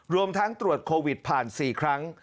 รวมทั้งตรวจโควิดผ่าน๔ครั้ง